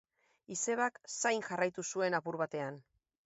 Izebak zain jarraitu zuen apur batean.